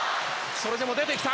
それでも出てきた。